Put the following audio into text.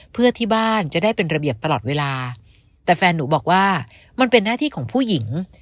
เพื่อที่บ้านจะได้เป็นระเบียบตลอดเวลาแต่แฟนหนูบอกว่ามันเป็นหน้าที่ของผู้หญิง